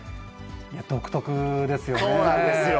いや、独特ですよね。